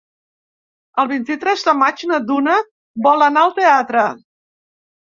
El vint-i-tres de maig na Duna vol anar al teatre.